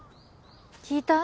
聞いた？